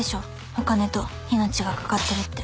「お金と命がかかってるって」